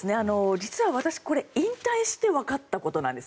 実は私、これ引退してわかったことなんです。